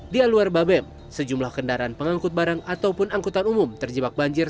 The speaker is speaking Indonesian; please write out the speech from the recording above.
di luar babem sejumlah kendaraan pengangkut barang ataupun angkutan umum terjebak banjir